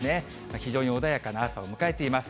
非常に穏やかな朝を迎えています。